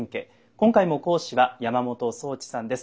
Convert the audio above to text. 今回も講師は山本宗知さんです。